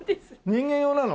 人間用なの？